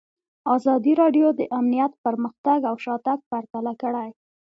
ازادي راډیو د امنیت پرمختګ او شاتګ پرتله کړی.